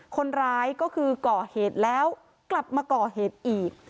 คนร้ายก็คือก่อเหตุแล้วกลับมาก่อเหตุอีก